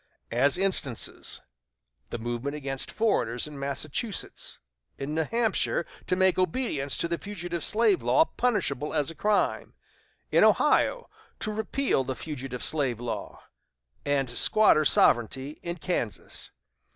As instances: the movement against foreigners in Massachusetts; in New Hampshire, to make obedience to the fugitive slave law punishable as a crime; in Ohio, to repeal the fugitive slave law; and squatter sovereignty, in Kansas.